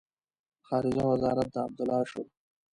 خارجه وزارت د عبدالله شو.